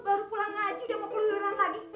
lu baru pulang ngaji dan mau keluaran lagi